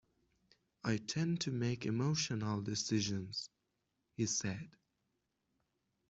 "I tend to make emotional decisions," he said.